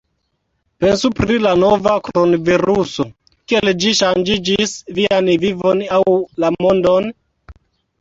Pensu pri la nova kronviruso: kiel ĝi ŝanĝis vian vivon aŭ la mondon?